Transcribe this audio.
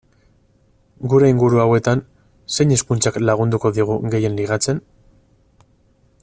Gure inguru hauetan, zein hizkuntzak lagunduko digu gehien ligatzen?